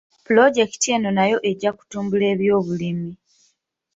Pulojekiti eno nayo ejja kutumbula ebyobulimi.